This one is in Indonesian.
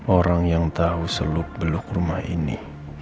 orang yang tau selup beluk rumah ini